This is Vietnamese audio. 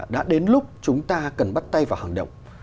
đã đến lúc chúng ta cần bắt tay vào hành động